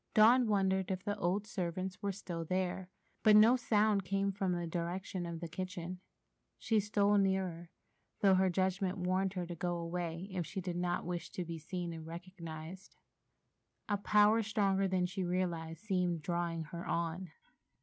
Dawn wondered if the old servants were still there, but no sound came from the direction of the kitchen. She stole nearer, though her judgment warned her to go away if she did not wish to be seen and recognized. A power stronger than she realized seemed drawing her on.